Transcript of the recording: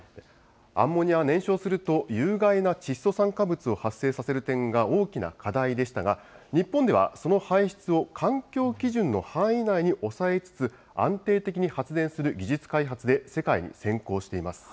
アンモニアは燃焼すると有害な窒素酸化物を発生させる点が大きな課題でしたが、日本ではその排出を環境基準の範囲内に抑えつつ、安定的に発電する技術開発で世界に先行しています。